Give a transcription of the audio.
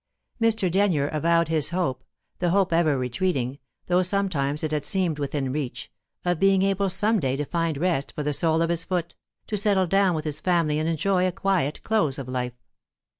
Mr. Denyer avowed his hope the hope ever retreating, though sometimes it had seemed within reach of being able some day to find rest for the sole of his foot, to settle down with his family and enjoy a quiet close of life.